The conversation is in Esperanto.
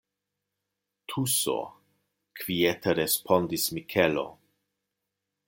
Tuso, kviete respondis Mikelo.